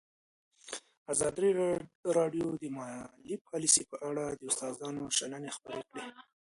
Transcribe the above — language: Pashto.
ازادي راډیو د مالي پالیسي په اړه د استادانو شننې خپرې کړي.